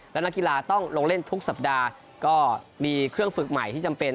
และนักกีฬาต้องลงเล่นทุกสัปดาห์ก็มีเครื่องฝึกใหม่ที่จำเป็น